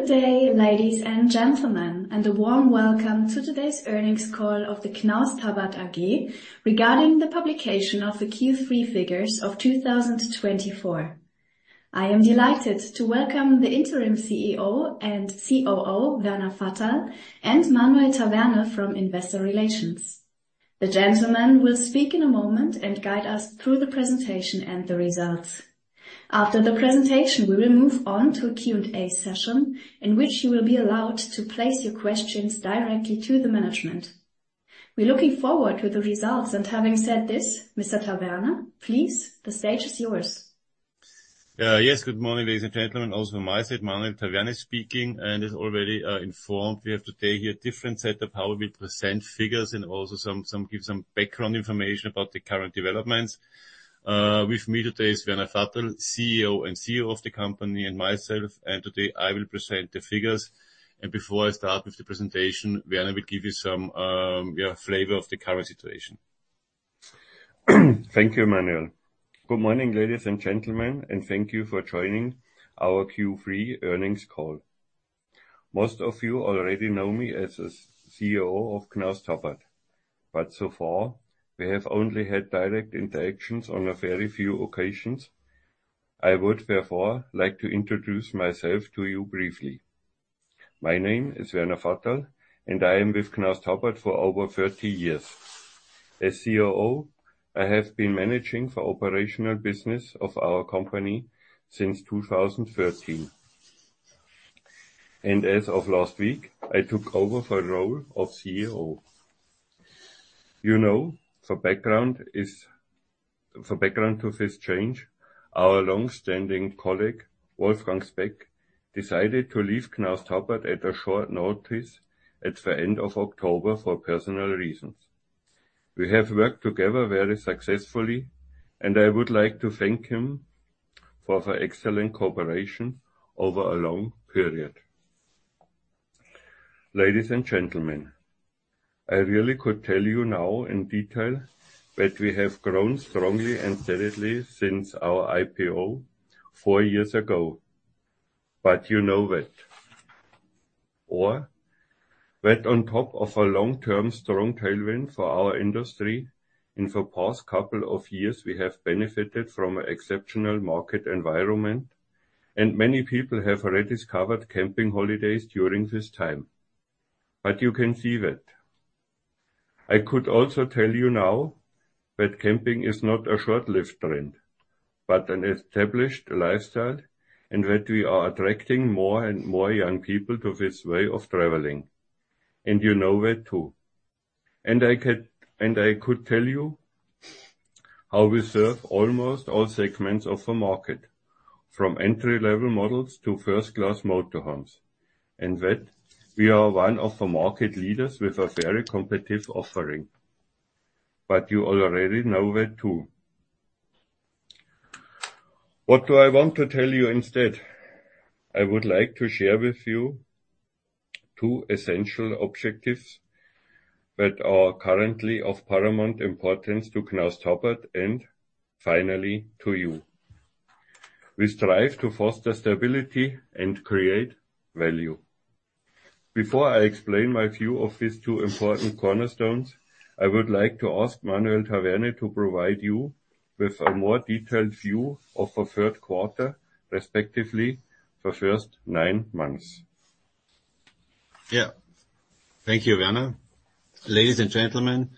Good day, ladies and gentlemen, and a warm welcome to today's earnings call of the Knaus Tabbert AG regarding the publication of the Q3 figures of 2024. I am delighted to welcome the Interim CEO and COO, Werner Vaterl, and Manuel Taverne from Investor Relations. The gentlemen will speak in a moment and guide us through the presentation and the results. After the presentation, we will move on to a Q&A session in which you will be allowed to place your questions directly to the management. We're looking forward to the results, and having said this, Mr. Taverne, please, the stage is yours. Yes, good morning, ladies and gentlemen. Also from my side, Manuel Taverne speaking, and as already informed, we have today here a different set of how we will present figures and also to give some background information about the current developments. With me today is Werner Vaterl, CEO and COO of the company, and myself. And today I will present the figures. And before I start with the presentation, Werner will give you some flavor of the current situation. Thank you, Manuel. Good morning, ladies and gentlemen, and thank you for joining our Q3 earnings call. Most of you already know me as a CEO of Knaus Tabbert, but so far we have only had direct interactions on a very few occasions. I would therefore like to introduce myself to you briefly. My name is Werner Vaterl, and I am with Knaus Tabbert for over 30 years. As COO, I have been managing the operational business of our company since 2013, and as of last week, I took over for the role of CEO. You know, for background to this change, our longstanding colleague, Wolfgang Speck, decided to leave Knaus Tabbert at a short notice at the end of October for personal reasons. We have worked together very successfully, and I would like to thank him for the excellent cooperation over a long period. Ladies and gentlemen, I really could tell you now in detail that we have grown strongly and steadily since our IPO four years ago, but you know that. Or that on top of a long-term strong tailwind for our industry, in the past couple of years, we have benefited from an exceptional market environment, and many people have rediscovered camping holidays during this time. But you can see that. I could also tell you now that camping is not a short-lived trend, but an established lifestyle, and that we are attracting more and more young people to this way of traveling. And you know that too. And I could tell you how we serve almost all segments of the market, from entry-level models to first-class motorhomes, and that we are one of the market leaders with a very competitive offering. But you already know that too. What do I want to tell you instead? I would like to share with you two essential objectives that are currently of paramount importance to Knaus Tabbert and finally to you. We strive to foster stability and create value. Before I explain my view of these two important cornerstones, I would like to ask Manuel Taverne to provide you with a more detailed view of the third quarter, respectively, the first nine months. Yeah, thank you, Werner. Ladies and gentlemen,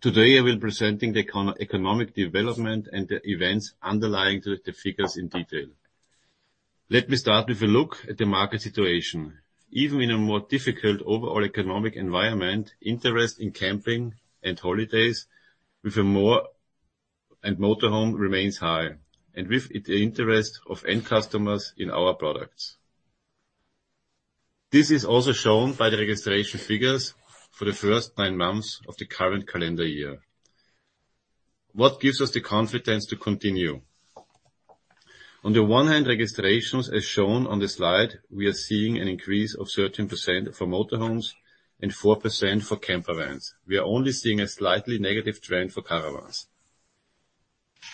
today I will be presenting the economic development and the events underlying the figures in detail. Let me start with a look at the market situation. Even in a more difficult overall economic environment, interest in camping and holidays with a motorhome remains high, and with the interest of end customers in our products. This is also shown by the registration figures for the first nine months of the current calendar year. What gives us the confidence to continue? On the one hand, registrations as shown on the slide, we are seeing an increase of 13% for motorhomes and 4% for campervans. We are only seeing a slightly negative trend for caravans.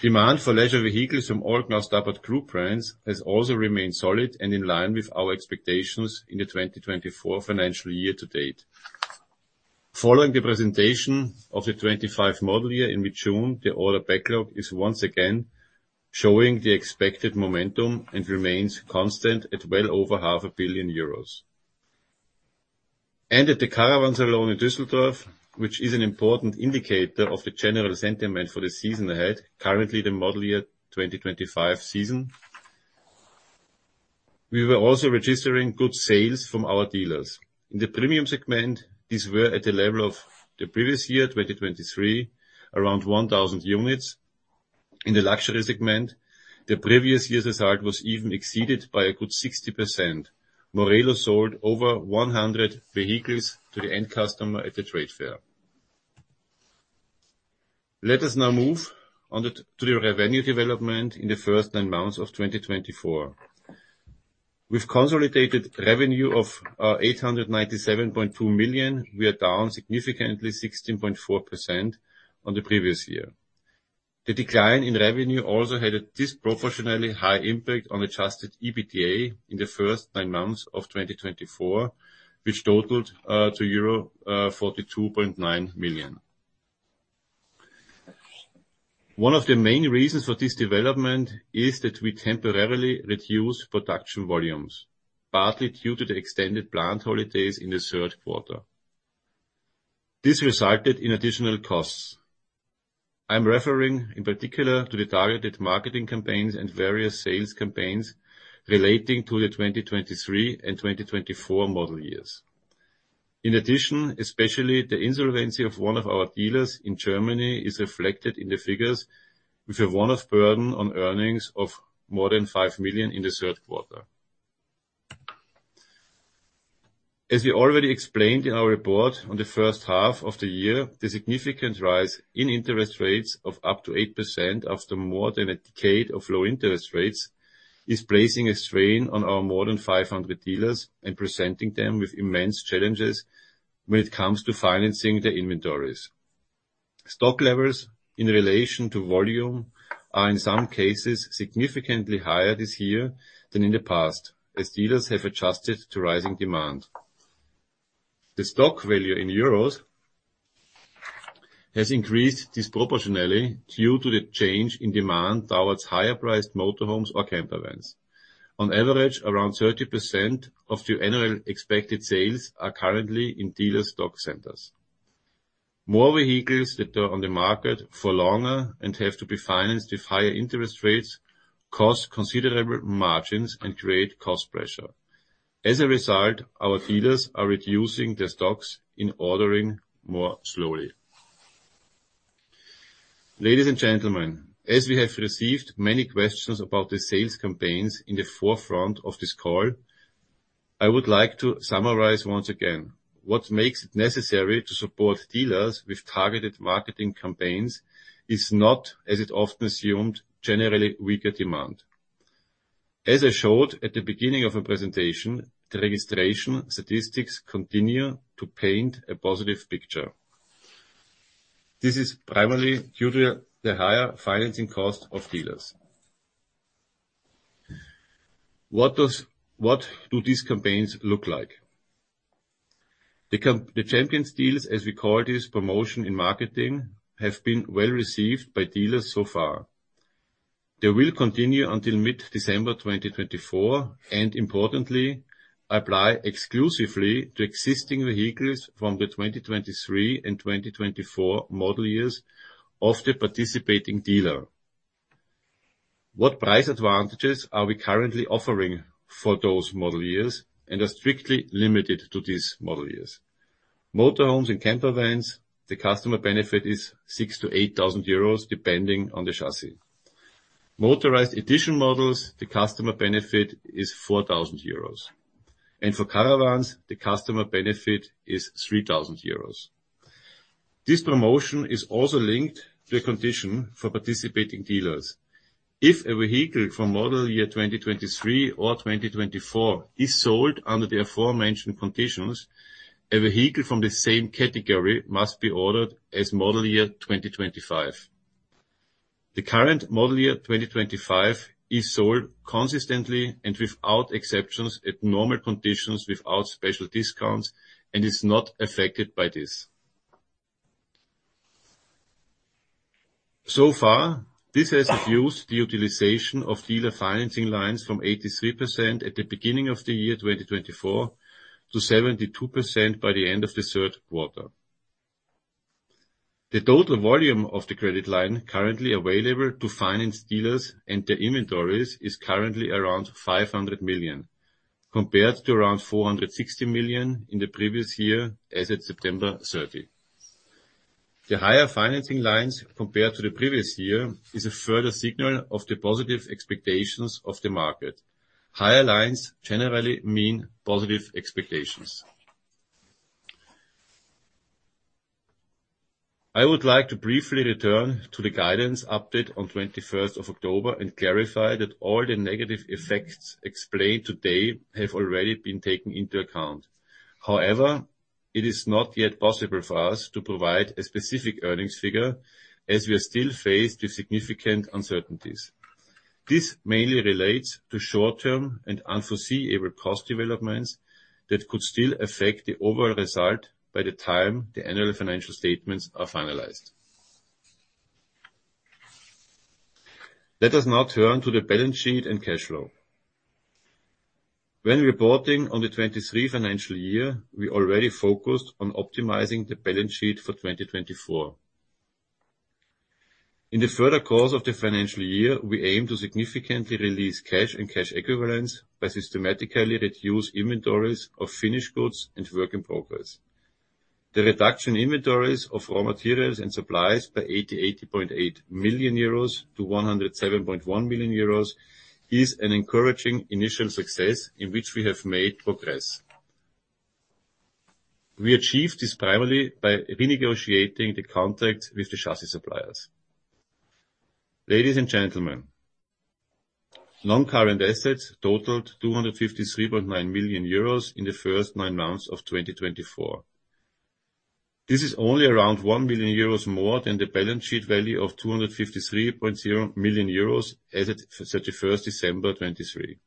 Demand for leisure vehicles from all Knaus Tabbert group brands has also remained solid and in line with our expectations in the 2024 financial year to date. Following the presentation of the 2025 model year in mid-June, the order backlog is once again showing the expected momentum and remains constant at well over 500 million euros. At the Caravan Salon in Düsseldorf, which is an important indicator of the general sentiment for the season ahead, currently the Model Year 2025 season, we were also registering good sales from our dealers. In the premium segment, these were at the level of the previous year, 2023, around 1,000 units. In the luxury segment, the previous year's result was even exceeded by a good 60%. Morelo sold over 100 vehicles to the end customer at the trade fair. Let us now move on to the revenue development in the first nine months of 2024. With consolidated revenue of 897.2 million, we are down significantly, 16.4%, on the previous year. The decline in revenue also had a disproportionately high impact on Adjusted EBITDA in the first nine months of 2024, which totaled to EUR 42.9 million. One of the main reasons for this development is that we temporarily reduced production volumes, partly due to the extended plant holidays in the third quarter. This resulted in additional costs. I'm referring in particular to the targeted marketing campaigns and various sales campaigns relating to the 2023 and 2024 model years. In addition, especially the insolvency of one of our dealers in Germany is reflected in the figures with a one-off burden on earnings of more than 5 million in the third quarter. As we already explained in our report on the first half of the year, the significant rise in interest rates of up to 8% after more than a decade of low interest rates is placing a strain on our more than 500 dealers and presenting them with immense challenges when it comes to financing their inventories. Stock levels in relation to volume are in some cases significantly higher this year than in the past, as dealers have adjusted to rising demand. The stock value in euros has increased disproportionately due to the change in demand towards higher-priced motorhomes or campervans. On average, around 30% of the annual expected sales are currently in dealer stock centers. More vehicles that are on the market for longer and have to be financed with higher interest rates cost considerable margins and create cost pressure. As a result, our dealers are reducing their stocks in ordering more slowly. Ladies and gentlemen, as we have received many questions about the sales campaigns in the forefront of this call, I would like to summarize once again. What makes it necessary to support dealers with targeted marketing campaigns is not, as it often assumed, generally weaker demand. As I showed at the beginning of the presentation, the registration statistics continue to paint a positive picture. This is primarily due to the higher financing cost of dealers. What do these campaigns look like? The Champions Deals, as we call this promotion in marketing, have been well received by dealers so far. They will continue until mid-December 2024 and, importantly, apply exclusively to existing vehicles from the 2023 and 2024 model years of the participating dealer. What price advantages are we currently offering for those model years and are strictly limited to these model years? Motorhomes and campervans, the customer benefit is 6,000-8,000 euros depending on the chassis. Motorized edition models, the customer benefit is 4,000 euros. And for caravans, the customer benefit is 3,000 euros. This promotion is also linked to a condition for participating dealers. If a vehicle from Model Year 2023 or 2024 is sold under the aforementioned conditions, a vehicle from the same category must be ordered as Model Year 2025. The current Model Year 2025 is sold consistently and without exceptions at normal conditions without special discounts and is not affected by this. So far, this has reduced the utilization of dealer financing lines from 83% at the beginning of the year 2024 to 72% by the end of the third quarter. The total volume of the credit line currently available to finance dealers and their inventories is currently around 500 million, compared to around 460 million in the previous year as of September 30. The higher financing lines compared to the previous year is a further signal of the positive expectations of the market. Higher lines generally mean positive expectations. I would like to briefly return to the guidance update on 21st of October and clarify that all the negative effects explained today have already been taken into account. However, it is not yet possible for us to provide a specific earnings figure as we are still faced with significant uncertainties. This mainly relates to short-term and unforeseeable cost developments that could still affect the overall result by the time the annual financial statements are finalized. Let us now turn to the balance sheet and cash flow. When reporting on the 2023 financial year, we already focused on optimizing the balance sheet for 2024. In the further course of the financial year, we aim to significantly release cash and cash equivalents by systematically reducing inventories of finished goods and work in progress. The reduction in inventories of raw materials and supplies by 88.8 million euros to 107.1 million euros is an encouraging initial success in which we have made progress. We achieved this primarily by renegotiating the contract with the chassis suppliers. Ladies and gentlemen, non-current assets totaled 253.9 million euros in the first nine months of 2024. This is only around 1 million euros more than the balance sheet value of 253.0 million euros as of 31st December 2023.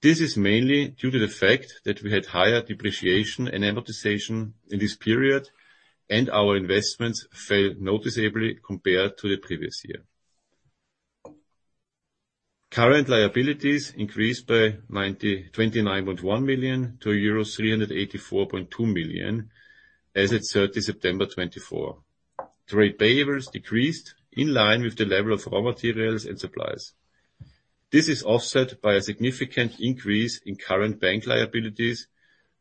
This is mainly due to the fact that we had higher depreciation and amortization in this period, and our investments fell noticeably compared to the previous year. Current liabilities increased by 29.1 million to euros 384.2 million as of 30 September 2024. Trade payables decreased in line with the level of raw materials and supplies. This is offset by a significant increase in current bank liabilities,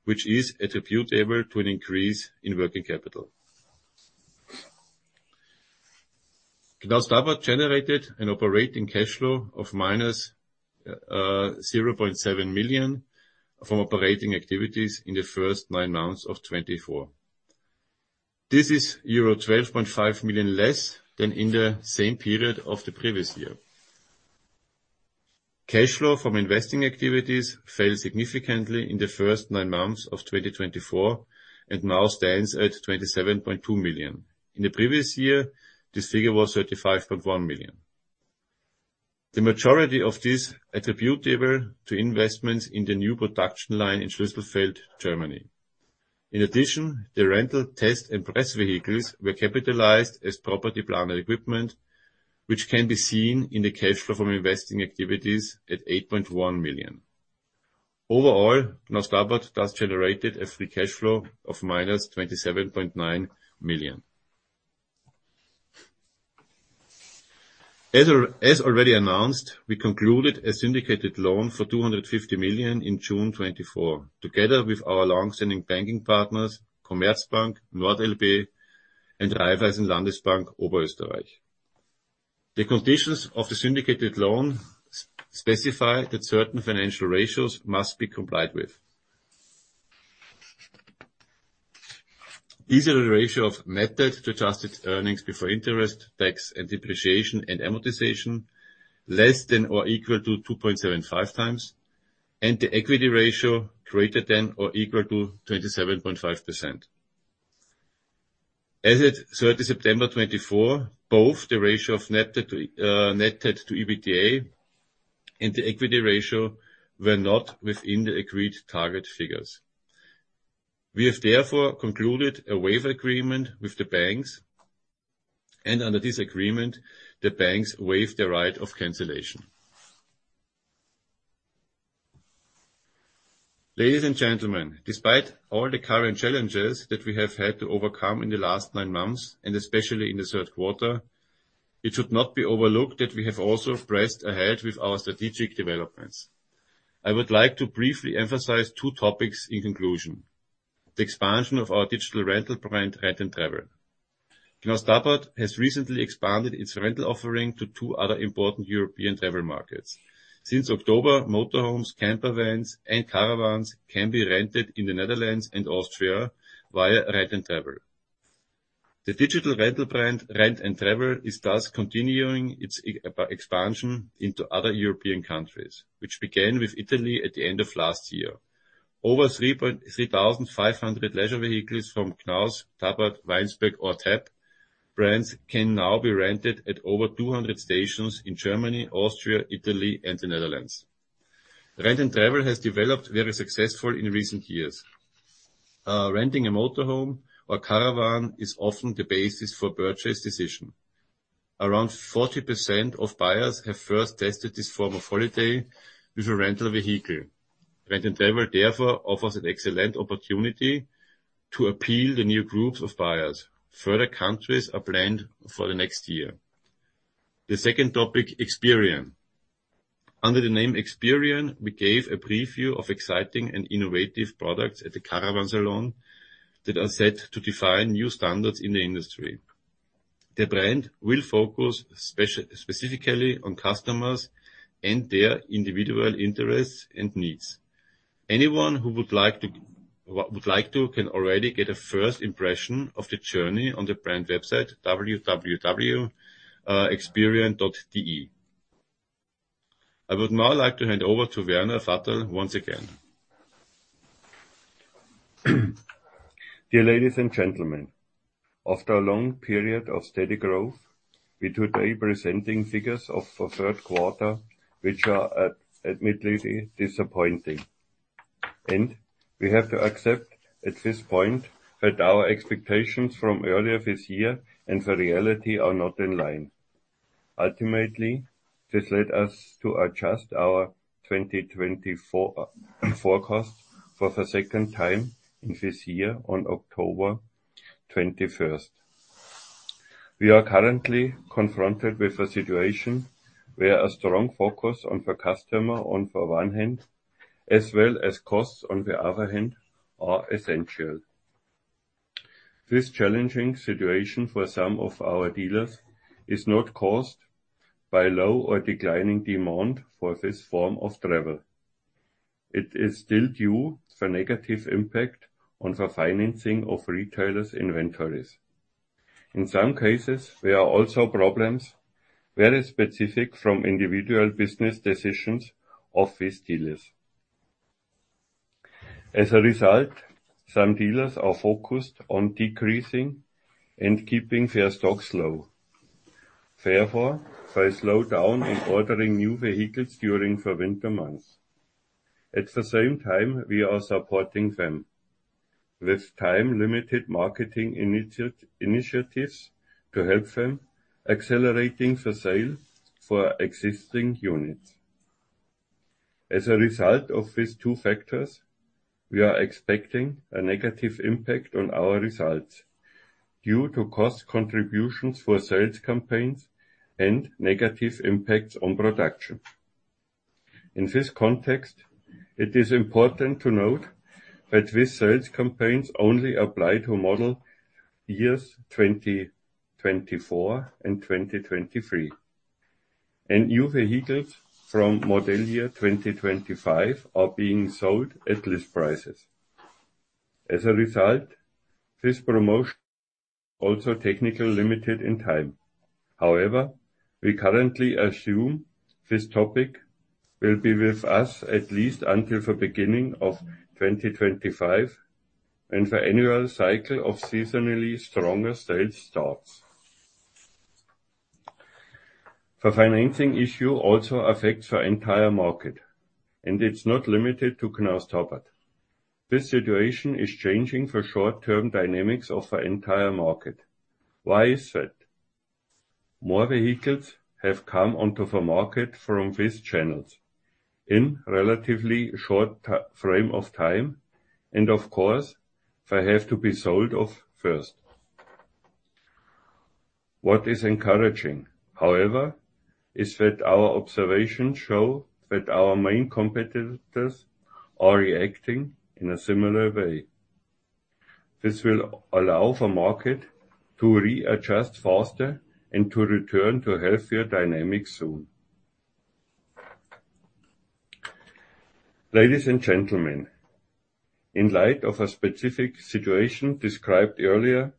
which is attributable to an increase in working capital. Knaus Tabbert generated an operating cash flow of minus 0.7 million from operating activities in the first nine months of 2024. This is euro 12.5 million less than in the same period of the previous year. Cash flow from investing activities fell significantly in the first nine months of 2024, and now stands at 27.2 million. In the previous year, this figure was 35.1 million. The majority of this is attributable to investments in the new production line in Schlüsselfeld, Germany. In addition, the rental test and press vehicles were capitalized as property, plant and equipment, which can be seen in the cash flow from investing activities at 8.1 million. Overall, Knaus Tabbert thus generated a free cash flow of minus 27.9 million. As already announced, we concluded a syndicated loan for 250 million in June 2024, together with our longstanding banking partners, Commerzbank, NordLB, and Raiffeisenlandesbank Oberösterreich. The conditions of the syndicated loan specify that certain financial ratios must be complied with. These are the ratio of net debt to adjusted earnings before interest, tax, and depreciation and amortization less than or equal to 2.75 times, and the equity ratio greater than or equal to 27.5%. As of 30 September 2024, both the ratio of net debt to EBITDA and the equity ratio were not within the agreed target figures. We have therefore concluded a waiver agreement with the banks, and under this agreement, the banks waive the right of cancellation. Ladies and gentlemen, despite all the current challenges that we have had to overcome in the last nine months, and especially in the third quarter, it should not be overlooked that we have also pressed ahead with our strategic developments. I would like to briefly emphasize two topics in conclusion: the expansion of our digital rental brand Rent & Travel. Knaus Tabbert has recently expanded its rental offering to two other important European travel markets. Since October, motorhomes, campervans, and caravans can be rented in the Netherlands and Austria via Rent & Travel. The digital rental brand Rent & Travel is thus continuing its expansion into other European countries, which began with Italy at the end of last year. Over 3,500 leisure vehicles from Knaus, Tabbert, Weinsberg, or T@B brands can now be rented at over 200 stations in Germany, Austria, Italy, and the Netherlands. Rent & Travel has developed very successfully in recent years. Renting a motorhome or caravan is often the basis for a purchase decision. Around 40% of buyers have first tested this form of holiday with a rental vehicle. Rent & Travel therefore offers an excellent opportunity to appeal to new groups of buyers. Further countries are planned for the next year. The second topic, XPERIAN. Under the name XPERIAN, we gave a preview of exciting and innovative products at the Caravan Salon that are set to define new standards in the industry. The brand will focus specifically on customers and their individual interests and needs. Anyone who would like to can already get a first impression of the journey on the brand website, www.xperian.de. I would now like to hand over to Werner Vaterl once again. Dear ladies and gentlemen, after a long period of steady growth, we are today presenting figures of the third quarter, which are admittedly disappointing, and we have to accept at this point that our expectations from earlier this year and with reality are not in line. Ultimately, this led us to adjust our 2024 forecast for the second time in this year on October 21. We are currently confronted with a situation where a strong focus on the customer on the one hand, as well as costs on the other hand, are essential. This challenging situation for some of our dealers is not caused by low or declining demand for this form of travel. It is still due to a negative impact on the financing of retailers' inventories. In some cases, there are also problems very specific from individual business decisions of these dealers. As a result, some dealers are focused on decreasing and keeping their stocks low. Therefore, they slowed down in ordering new vehicles during the winter months. At the same time, we are supporting them with time-limited marketing initiatives to help them accelerate the sale for existing units. As a result of these two factors, we are expecting a negative impact on our results due to cost contributions for sales campaigns and negative impacts on production. In this context, it is important to note that these sales campaigns only apply to model years 2024 and 2023, and new vehicles from model year 2025 are being sold at list prices. As a result, this promotion is also technically limited in time. However, we currently assume this topic will be with us at least until the beginning of 2025 and the annual cycle of seasonally stronger sales starts. The financing issue also affects the entire market, and it's not limited to Knaus Tabbert. This situation is changing the short-term dynamics of the entire market. Why is that? More vehicles have come onto the market from these channels in a relatively short frame of time, and of course, they have to be sold off first. What is encouraging, however, is that our observations show that our main competitors are reacting in a similar way. This will allow the market to readjust faster and to return to healthier dynamics soon. Ladies and gentlemen, in light of a specific situation described earlier,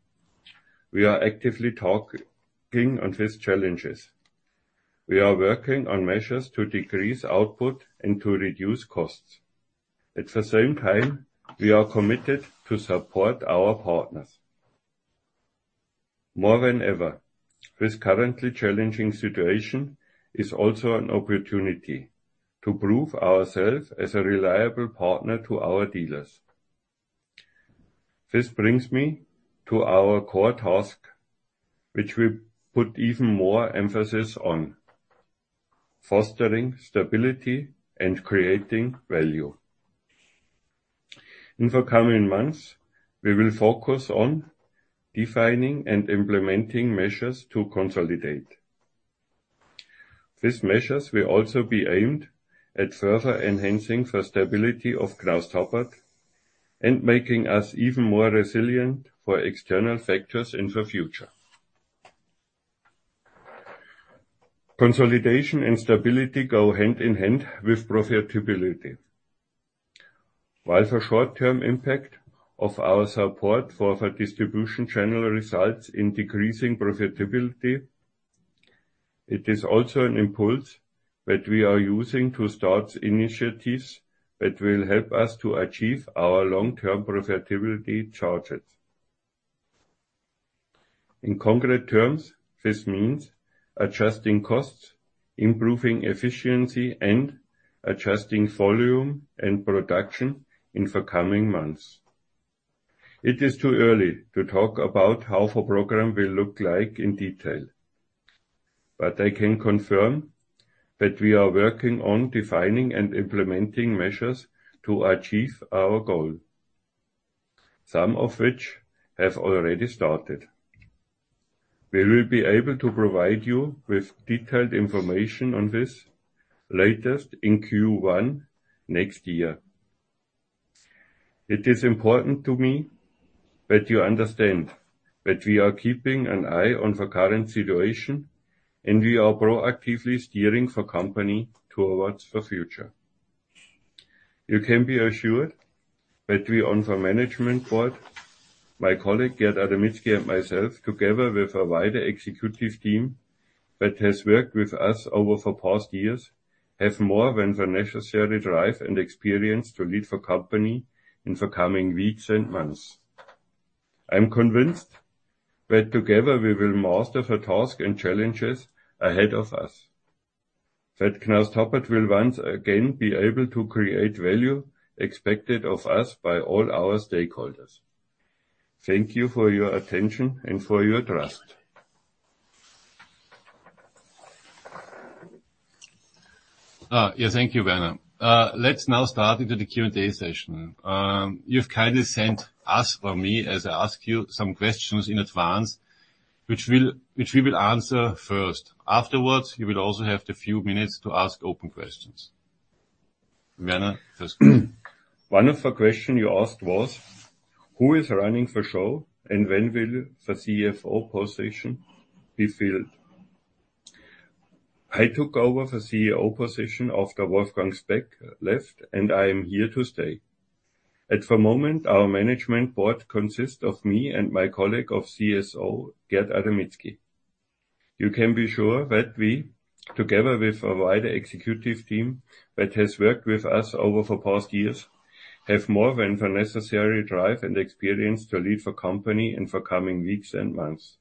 we are actively talking on these challenges. We are working on measures to decrease output and to reduce costs. At the same time, we are committed to support our partners. More than ever, this currently challenging situation is also an opportunity to prove ourselves as a reliable partner to our dealers. This brings me to our core task, which we put even more emphasis on: fostering stability and creating value. In the coming months, we will focus on defining and implementing measures to consolidate. These measures will also be aimed at further enhancing the stability of Knaus Tabbert and making us even more resilient for external factors in the future. Consolidation and stability go hand in hand with profitability. While the short-term impact of our support for the distribution channel results in decreasing profitability, it is also an impulse that we are using to start initiatives that will help us to achieve our long-term profitability targets. In concrete terms, this means adjusting costs, improving efficiency, and adjusting volume and production in the coming months. It is too early to talk about how the program will look like in detail, but I can confirm that we are working on defining and implementing measures to achieve our goal, some of which have already started. We will be able to provide you with detailed information on this at the latest in Q1 next year. It is important to me that you understand that we are keeping an eye on the current situation, and we are proactively steering the company towards the future. You can be assured that we on the management board, my Gerd Adamietzki and myself, together with a wider executive team that has worked with us over the past years, have more than the necessary drive and experience to lead the company in the coming weeks and months. I am convinced that together we will master the task and challenges ahead of us, that Knaus Tabbert will once again be able to create value expected of us by all our stakeholders. Thank you for your attention and for your trust. Yeah, thank you, Werner. Let's now start into the Q&A session. You've kindly sent us, or me, as I ask you some questions in advance, which we will answer first. Afterwards, you will also have a few minutes to ask open questions. Werner, first. One of the questions you asked was, who is running the show and when will the CFO position be filled? I took over the CEO position after Wolfgang Speck left, and I am here to stay. At the moment, our management board consists of me and my colleague of Gerd Adamietzki. You can be sure that we, together with a wider executive team that has worked with us over the past years, have more than the necessary drive and experience to lead the company in the coming weeks and months.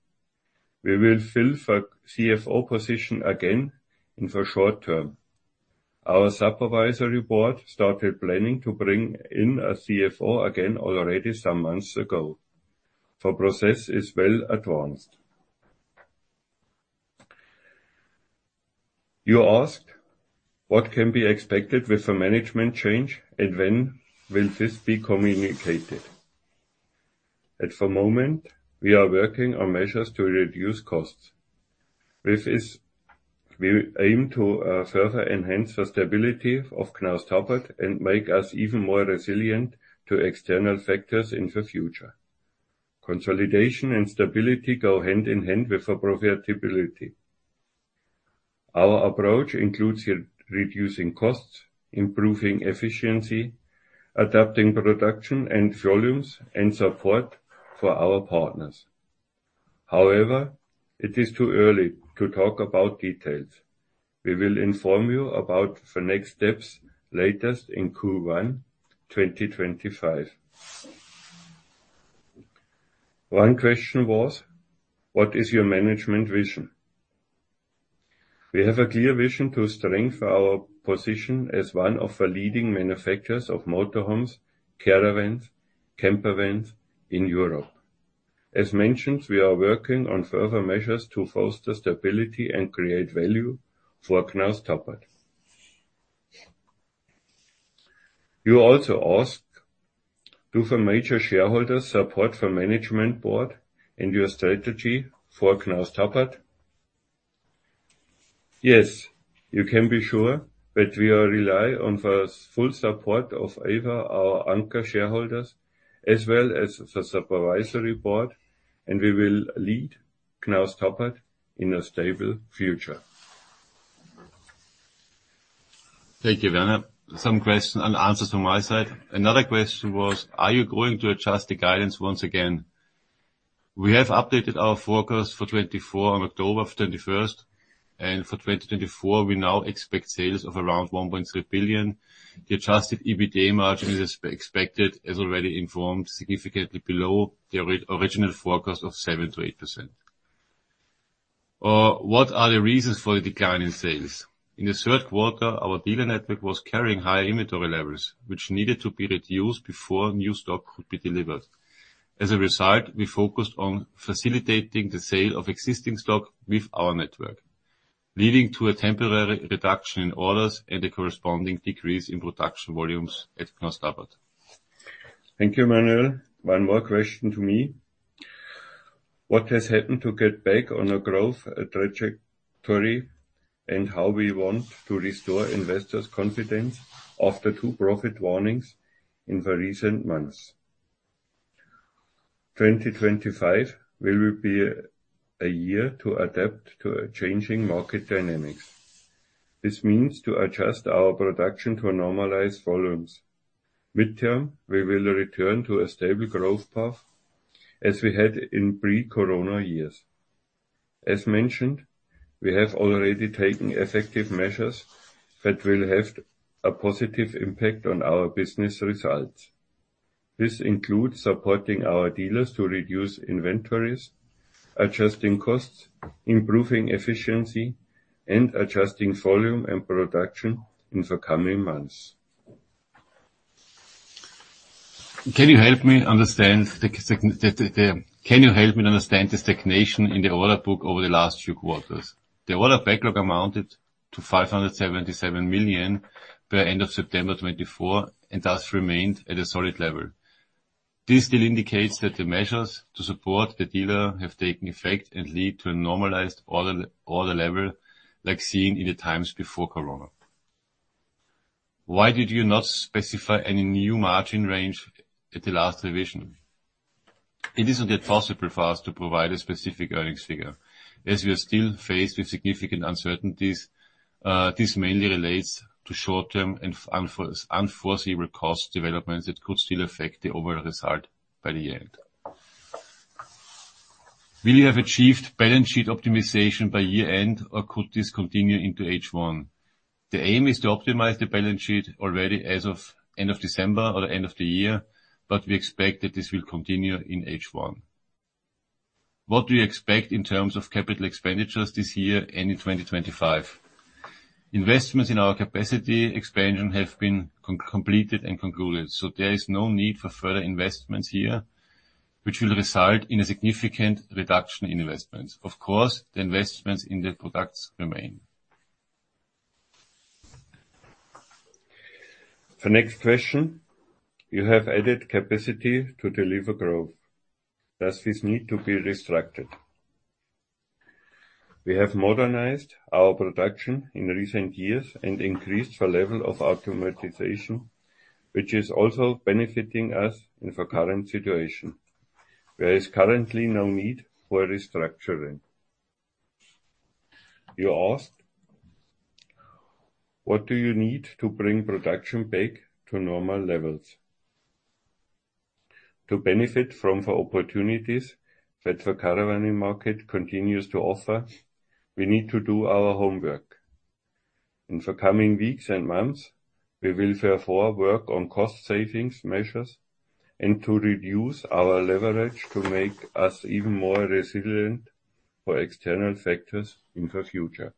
We will fill the CFO position again in the short term. Our supervisory board started planning to bring in a CFO again already some months ago. The process is well advanced. You asked what can be expected with the management change and when will this be communicated. At the moment, we are working on measures to reduce costs. This is. We aim to further enhance the stability of Knaus Tabbert and make us even more resilient to external factors in the future. Consolidation and stability go hand in hand with the profitability. Our approach includes reducing costs, improving efficiency, adapting production and volumes, and support for our partners. However, it is too early to talk about details. We will inform you about the next steps latest in Q1 2025. One question was, what is your management vision? We have a clear vision to strengthen our position as one of the leading manufacturers of motorhomes, caravans, campervans in Europe. As mentioned, we are working on further measures to foster stability and create value for Knaus Tabbert. You also asked do the major shareholders support the management board and your strategy for Knaus Tabbert? Yes, you can be sure that we rely on the full support of our anchor shareholders as well as the supervisory board, and we will lead Knaus Tabbert in a stable future. Thank you, Werner. Some questions and answers from my side. Another question was, are you going to adjust the guidance once again? We have updated our forecast for 2024 on October 21, and for 2024, we now expect sales of around 1.3 billion. The Adjusted EBITDA margin is expected, as already informed, significantly below the original forecast of 7%-8%. What are the reasons for the decline in sales? In the third quarter, our dealer network was carrying high inventory levels, which needed to be reduced before new stock could be delivered. As a result, we focused on facilitating the sale of existing stock with our network, leading to a temporary reduction in orders and a corresponding decrease in production volumes at Knaus Tabbert. Thank you, Manuel. One more question to me. What has happened to get back on the growth trajectory and how we want to restore investors' confidence after two profit warnings in the recent months? 2025 will be a year to adapt to changing market dynamics. This means to adjust our production to normalize volumes. Midterm, we will return to a stable growth path as we had in pre-Corona years. As mentioned, we have already taken effective measures that will have a positive impact on our business results. This includes supporting our dealers to reduce inventories, adjusting costs, improving efficiency, and adjusting volume and production in the coming months. Can you help me understand the stagnation in the order book over the last few quarters? The order backlog amounted to 577 million by the end of September 2024 and thus remained at a solid level. This still indicates that the measures to support the dealer have taken effect and lead to a normalized order level like seen in the times before Corona. Why did you not specify any new margin range at the last revision? It isn't yet possible for us to provide a specific earnings figure as we are still faced with significant uncertainties. This mainly relates to short-term and unforeseeable cost developments that could still affect the overall result by the end. Will you have achieved balance sheet optimization by year-end, or could this continue into H1? The aim is to optimize the balance sheet already as of the end of December or the end of the year, but we expect that this will continue in H1. What do you expect in terms of capital expenditures this year and in 2025? Investments in our capacity expansion have been completed and concluded, so there is no need for further investments here, which will result in a significant reduction in investments. Of course, the investments in the products remain. The next question, you have added capacity to deliver growth. Does this need to be restricted? We have modernized our production in recent years and increased the level of automation, which is also benefiting us in the current situation. There is currently no need for restructuring. You asked, what do you need to bring production back to normal levels? To benefit from the opportunities that the caravan market continues to offer, we need to do our homework. In the coming weeks and months, we will therefore work on cost-savings measures and to reduce our leverage to make us even more resilient for external factors in the future.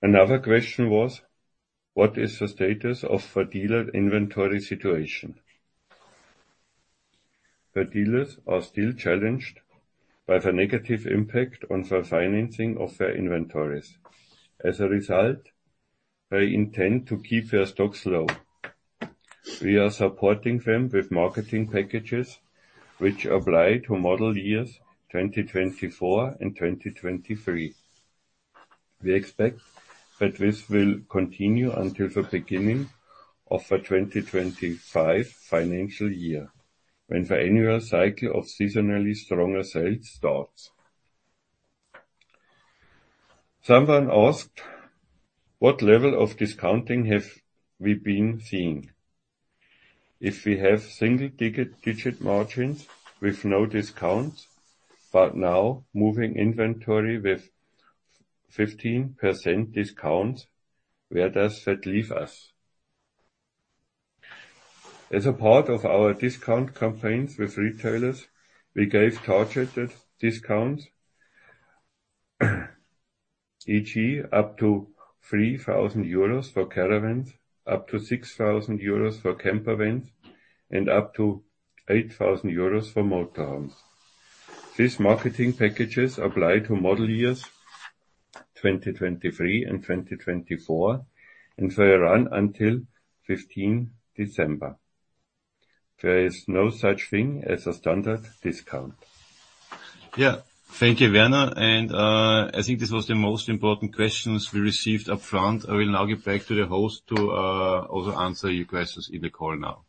Another question was, what is the status of the dealer inventory situation? The dealers are still challenged by the negative impact on the financing of their inventories. As a result, they intend to keep their stocks low. We are supporting them with marketing packages which apply to model years 2024 and 2023. We expect that this will continue until the beginning of the 2025 financial year when the annual cycle of seasonally stronger sales starts. Someone asked, what level of discounting have we been seeing? If we have single-digit margins with no discounts, but now moving inventory with 15% discounts, where does that leave us? As a part of our discount campaigns with retailers, we gave targeted discounts, e.g., up to 3,000 euros for caravans, up to 6,000 euros for campervans, and up to 8,000 euros for motorhomes. These marketing packages apply to model years 2023 and 2024 and for a run until 15 December. There is no such thing as a standard discount. Yeah, thank you, Werner. And I think this was the most important questions we received upfront. I will now get back to the host to also answer your questions in the call now.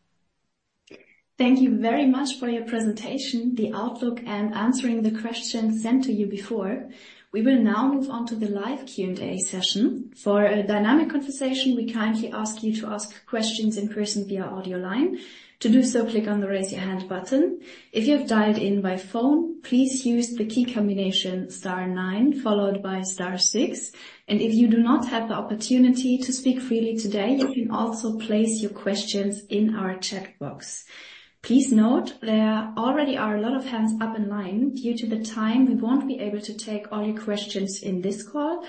Thank you very much for your presentation, the outlook, and answering the questions sent to you before. We will now move on to the live Q&A session. For a dynamic conversation, we kindly ask you to ask questions in person via audio line. To do so, click on the raise your hand button. If you have dialed in by phone, please use the key combination * 9 followed by * 6. And if you do not have the opportunity to speak freely today, you can also place your questions in our chat box. Please note there already are a lot of hands up in line due to the time. We won't be able to take all your questions in this call.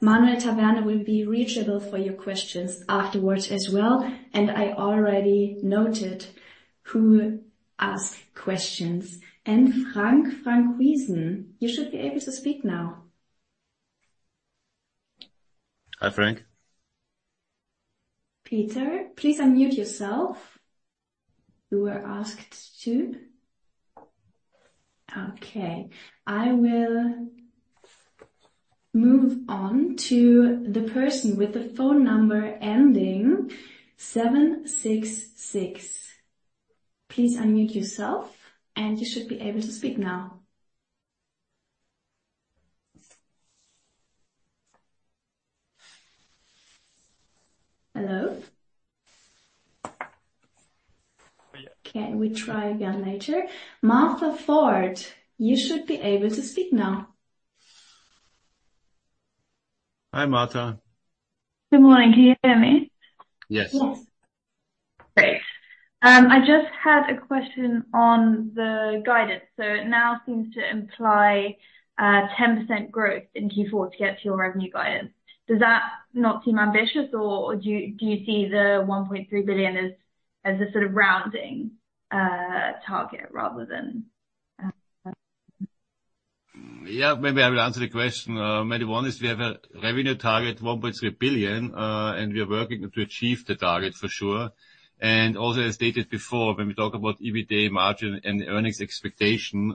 Manuel Taverne will be reachable for your questions afterwards as well. And I already noted who asked questions. And Frank Wieser, you should be able to speak now. Hi, Frank. Peter, please unmute yourself. You were asked to. Okay. I will move on to the person with the phone number ending 766. Please unmute yourself, and you should be able to speak now. Hello? Can we try again later? Martha Ford, you should be able to speak now. Hi, Martha. Good morning. Can you hear me? Yes. Yes. Great. I just had a question on the guidance. So it now seems to imply 10% growth in Q4 to get to your revenue guidance. Does that not seem ambitious, or do you see the 1.3 billion as a sort of rounding target rather than? Yeah, maybe I will answer the question. Maybe one is we have a revenue target, 1.3 billion, and we are working to achieve the target for sure. And also, as stated before, when we talk about EBITDA margin and earnings expectation,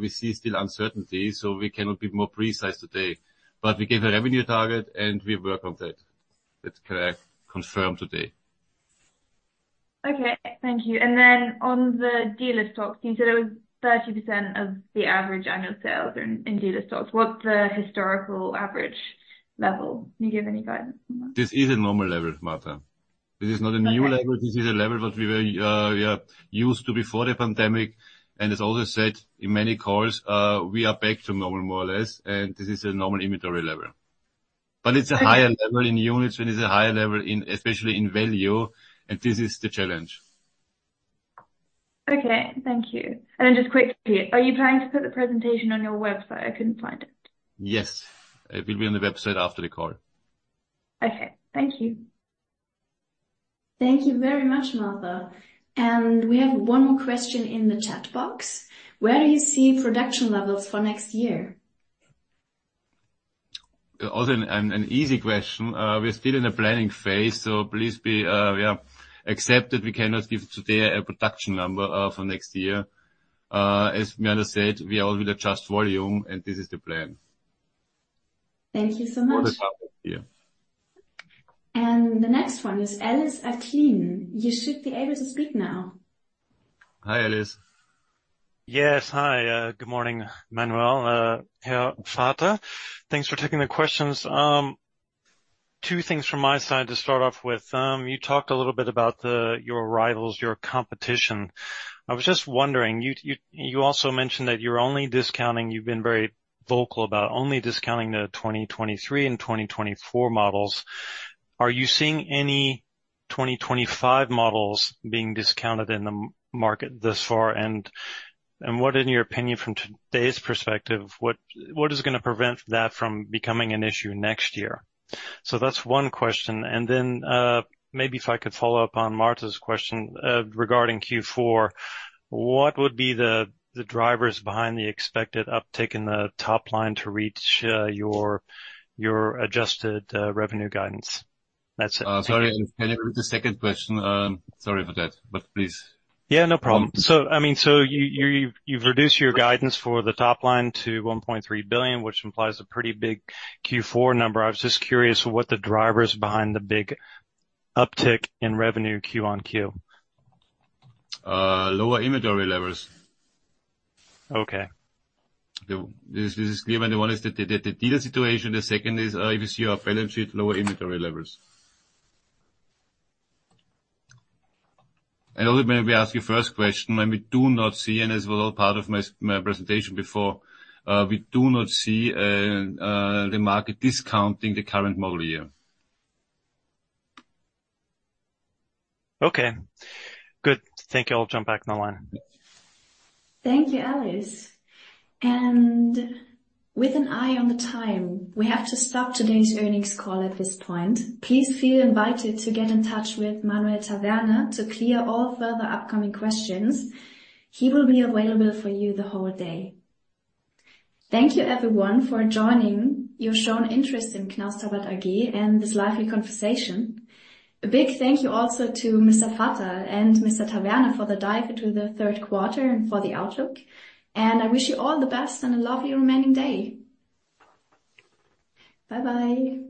we see still uncertainty, so we cannot be more precise today. But we gave a revenue target, and we work on that. That's correct. Confirmed today. Okay. Thank you. And then on the dealer stocks, you said it was 30% of the average annual sales in dealer stocks. What's the historical average level? Can you give any guidance on that? This is a normal level, Martha. This is not a new level. This is a level that we were used to before the pandemic. And as Aldous said in many calls, we are back to normal, more or less, and this is a normal inventory level. But it's a higher level in units, and it's a higher level, especially in value, and this is the challenge. Okay. Thank you. And then just quickly, are you planning to put the presentation on your website? I couldn't find it. Yes. It will be on the website after the call. Okay. Thank you. Thank you very much, Martha. And we have one more question in the chat box. Where do you see production levels for next year? Also, an easy question. We're still in the planning phase, so please accept we cannot give today a production number for next year. As Werner said, we are also going to adjust volume, and this is the plan. Thank you so much. And the next one is Alice Aklin. You should be able to speak now. Hi, Alice. Yes. Hi. Good morning, Manuel. Hi, Werner. Thanks for taking the questions. Two things from my side to start off with. You talked a little bit about your rivals, your competition. I was just wondering, you also mentioned that you're only discounting. You've been very vocal about only discounting the 2023 and 2024 models. Are you seeing any 2025 models being discounted in the market thus far? And what, in your opinion, from today's perspective, what is going to prevent that from becoming an issue next year? So that's one question. And then maybe if I could follow up on Martha's question regarding Q4, what would be the drivers behind the expected uptick in the top line to reach your adjusted revenue guidance? That's it. Sorry, can you repeat the second question? Sorry for that, but please. Yeah, no problem. So I mean, so you've reduced your guidance for the top line to 1.3 billion, which implies a pretty big Q4 number. I was just curious what the drivers behind the big uptick in revenue Q on Q. Lower inventory levels. Okay. This is clear. The one is the dealer situation. The second is, if you see our balance sheet, lower inventory levels and ultimately we ask your first question, and we do not see, and this was all part of my presentation before, we do not see the market discounting the current model year. Okay. Good. Thank you. I'll jump back on the line. Thank you, Alice, and with an eye on the time, we have to stop today's earnings call at this point. Please feel invited to get in touch with Manuel Taverne to clear all further upcoming questions. He will be available for you the whole day. Thank you, everyone, for joining. You've shown interest in Knaus Tabbert AG and this lively conversation. A big thank you also to Mr. Vaterl and Mr. Taverne for the dive into the third quarter and for the outlook. I wish you all the best and a lovely remaining day. Bye-bye.